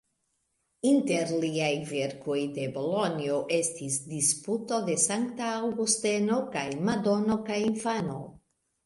Inter liaj verkoj de Bolonjo estis "Disputo de Sankta Aŭgusteno" kaj "Madono kaj infano".